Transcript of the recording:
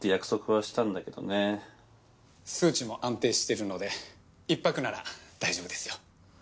数値も安定してるので１泊なら大丈夫ですよ。